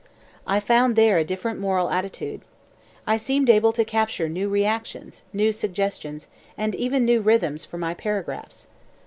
I found there a different moral attitude. I seemed able to capture new reactions, new suggestions, and even new rhythms for my paragraphs.